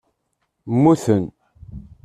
Muten